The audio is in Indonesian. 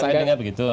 saya dengar begitu